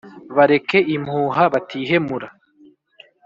bareke impuha batihemura